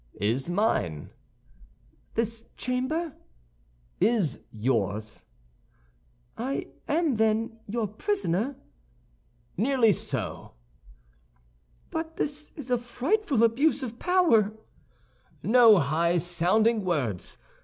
"Is mine." "This chamber?" "Is yours." "I am, then, your prisoner?" "Nearly so." "But this is a frightful abuse of power!" "No high sounding words!